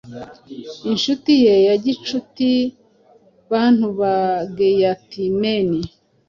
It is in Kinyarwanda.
Inshuti ye ya gicuti Bantu ba Geatmen